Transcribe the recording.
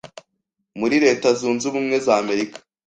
muri Leta Zunze ubumwe z’Amerika.